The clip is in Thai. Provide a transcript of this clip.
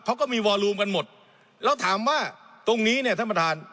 เขาก็มีวอลูมกันหมดแล้วถามว่าตรงนี้เนี่ยท่านประธาน